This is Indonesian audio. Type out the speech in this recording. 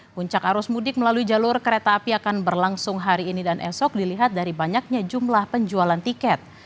puncak arus mudik melalui jalur kereta api akan berlangsung hari ini dan esok dilihat dari banyaknya jumlah penjualan tiket